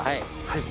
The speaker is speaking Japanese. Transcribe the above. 「はい」